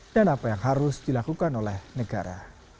dan apa yang harus dilakukan oleh negara